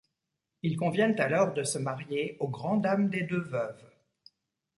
Ils conviennent alors de se marier, au grand dam des deux veuves.